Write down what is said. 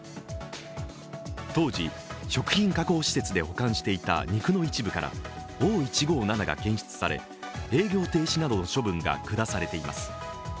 当時、食品加工施設で保管していた肉の一部からＯ１５７が検出され、営業停止などの処分が下されています。